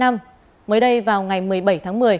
mới đây vào ngày một mươi bảy tháng một mươi